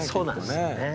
そうなんですよね。